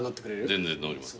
全然乗ります。